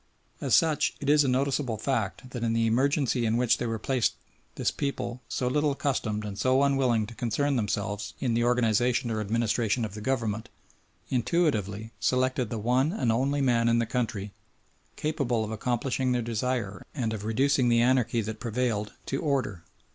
As such it is a noticeable fact that in the emergency in which they were placed this people, so little accustomed and so unwilling to concern themselves in the organisation or administration of the government, intuitively selected the one and only man in the country capable of accomplishing their desire and of reducing the anarchy that prevailed to order.